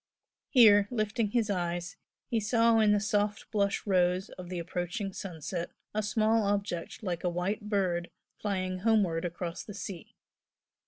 Here, lifting his eyes, he saw in the soft blush rose of the approaching sunset a small object like a white bird flying homeward across the sea.